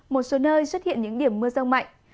một số nơi xuất hiện những điểm mưa rông mạnh